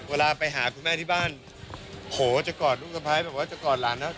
เวลาไปหาคุณแม่ที่บ้านโผล่จะกอดลูกสะพ้ายแบบว่าจะกอดหลานนะ